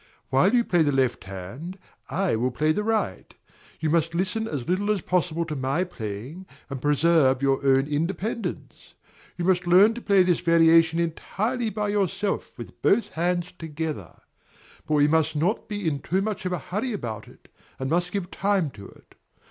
While you play the left hand, I will play the right: you must listen as little as possible to my playing, and preserve your own independence. You must learn to play this variation entirely by yourself with both hands together; but we must not be too much in a hurry about it, and must give time to it.